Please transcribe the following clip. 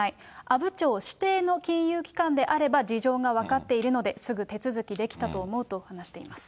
阿武町指定の金融機関であれば事情が分かっているので、すぐ手続きできたと思うと話しています。